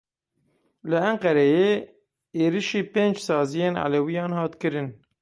Li Enqereyê êrişî pênc saziyên Elewiyan hat kirin.